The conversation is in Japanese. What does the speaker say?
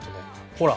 ほら。